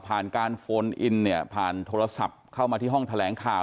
การโฟนอินเนี่ยผ่านโทรศัพท์เข้ามาที่ห้องแถลงข่าว